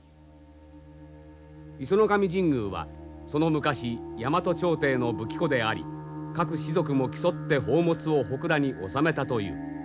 石上神宮はその昔大和朝廷の武器庫であり各氏族も競って宝物を神庫に納めたという。